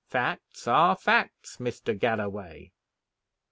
Facts are facts, Mr. Galloway."